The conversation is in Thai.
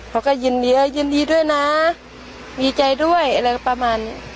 เค้าเร็วนี่แหละ